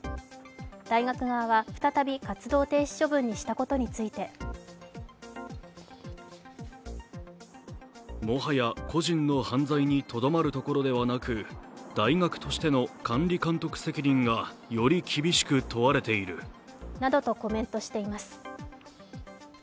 大学側は再び活動停止処分にしたことについてなどとコメントしています。